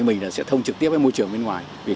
mình sẽ thông trực tiếp với môi trường bên ngoài